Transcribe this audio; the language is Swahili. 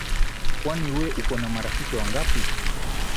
Kwani we uko na marafiki wangapi?